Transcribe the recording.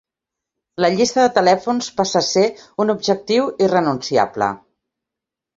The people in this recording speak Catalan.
La llista de telèfons passa a ser un objectiu irrenunciable.